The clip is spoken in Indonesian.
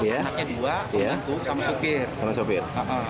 anaknya dua yang itu sama sopir